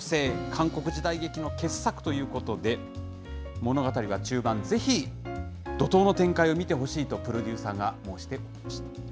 韓国時代劇の傑作ということで、物語は中盤、ぜひ、怒とうの展開を見てほしいとプロデューサーが申しておりました。